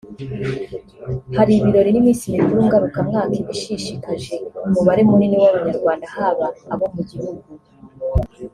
Hari ibirori n’iminsi mikuru ngarukamwaka iba ishishikaje umubare munini w’Abanyarwanda haba abo mu gihugu